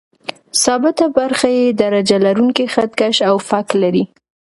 ثابته برخه یې درجه لرونکی خط کش او فک لري.